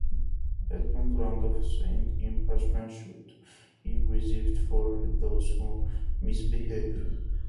Edmund Randolf said impeachment should be reserved for those who "misbehave".